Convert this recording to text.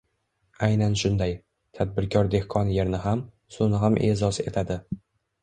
Aynan shunday — tadbirkor dehqon yerni ham, suvni ham e’zoz etadi.